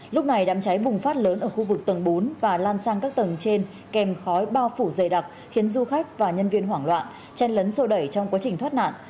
lúc này đám cháy bùng phát lớn ở khu vực tầng bốn và lan sang các tầng trên kèm khói bao phủ dày đặc khiến du khách và nhân viên hoảng loạn chen lấn sô đẩy trong quá trình thoát nạn